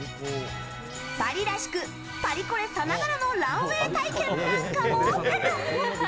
パリらしくパリコレさながらのランウェー体験なんかも？